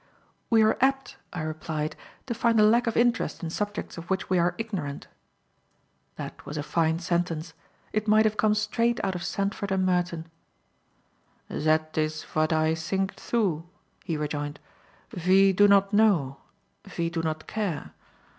"We are apt," I replied, "to find a lack of interest in subjects of which we are ignorant." That was a fine sentence. It might have come straight out of Sandford and Merton. "Zat is vat I sink, too," he rejoined. "Ve do not know; ve do not care.